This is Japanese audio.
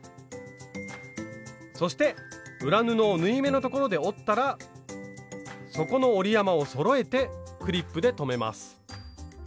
そして裏布を縫い目のところで折ったら底の折り山をそろえてクリップで留めます。